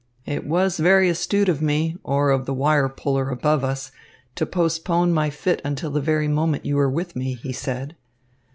"It was very astute of me, or of the wire puller above us, to postpone my fit until the very moment you were with me," he said.